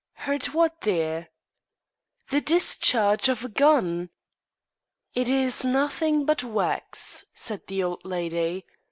"Heard what, dear?" "The discharge of a gun." "It is nothing but wax," said the old lady.